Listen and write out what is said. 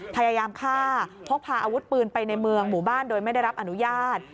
พยายามฆ่าพกพาอาวุธปืนไปในเมืองหมู่บ้านโดยไม่ได้รับอนุญาต